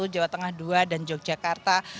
jawa tengah ii dan yogyakarta